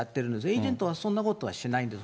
エージェントはそんなことはしないんです。